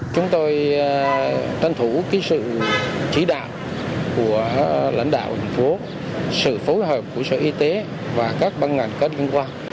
chúng tôi tranh thủ sự chỉ đạo của lãnh đạo thành phố sự phối hợp của sở y tế và các băng ngành có liên quan